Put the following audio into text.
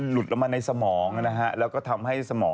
หลุดละมาในสมองนะฮะ